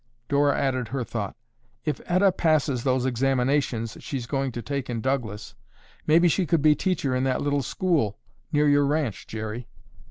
Dora added her thought, "If Etta passes those examinations she's going to take in Douglas, maybe she could be teacher in that little school near your ranch, Jerry."